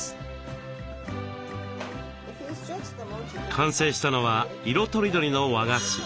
完成したのは色とりどりの和菓子。